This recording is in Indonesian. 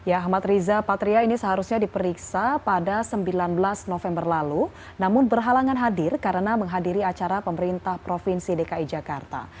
ahmad riza patria ini seharusnya diperiksa pada sembilan belas november lalu namun berhalangan hadir karena menghadiri acara pemerintah provinsi dki jakarta